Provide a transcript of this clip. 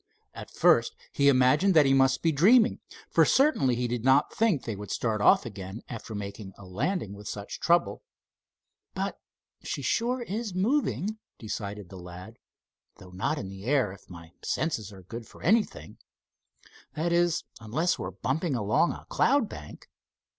At first he imagined that he must be dreaming, for certainly he did not think they would start off again after making a landing with such trouble. "But she sure is moving," decided the lad, "though not in the air, if my senses are good for anything. That is unless we're bumping along a cloud bank."